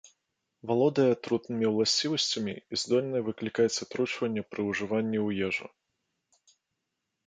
Валодае атрутнымі ўласцівасцямі і здольная выклікаць атручванне пры ўжыванні ў ежу.